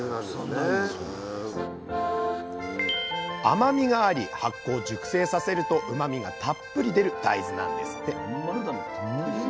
甘みがあり発酵・熟成させるとうまみがたっぷり出る大豆なんですって。